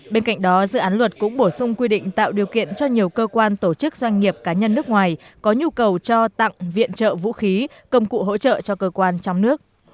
bên cạnh đó dự án luật cũng bổ sung quy định tạo điều kiện cho nhiều cơ quan tổ chức doanh nghiệp cá nhân nước ngoài có nhu cầu cho tặng viện trợ vũ khí công cụ hỗ trợ cho cơ quan trong nước